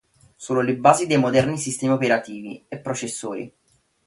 Sono le basi dei moderni sistemi operativi e processori.